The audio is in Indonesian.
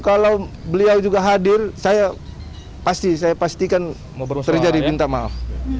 kalau beliau juga hadir saya pastikan terjadi pinta maaf